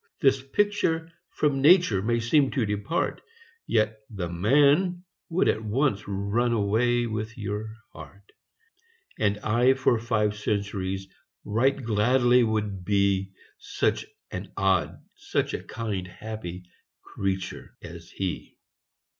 This picture from nature may seem to depart, Yet the Man would at once run away with your heart; And I for five centuries right gladly would be Such an odd such a kind happy creature as he.